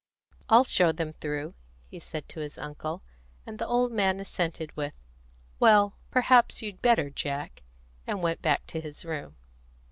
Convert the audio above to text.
"I'll show them through," he said to his uncle; and the old man assented with, "Well, perhaps you'd better, Jack," and went back to his room.